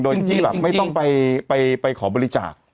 โดยที่แบบไม่ต้องไปขอบริจาค